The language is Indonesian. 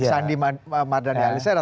sandi madani alisera